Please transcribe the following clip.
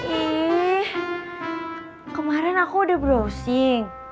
eh kemarin aku udah browsing